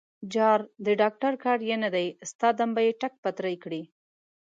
_جار، د ډانګټر کار يې نه دی، ستا دم به يې ټک پتری کړي.